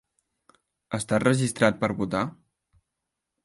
Estàs registrat per votar?